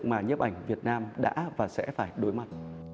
mà nhiếp ảnh việt nam đã và sẽ phải đối mặt